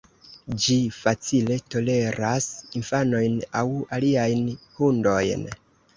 Ĝi facile toleras infanojn aŭ aliajn hundojn.